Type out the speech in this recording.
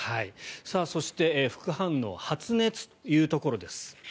そして、副反応発熱というところです。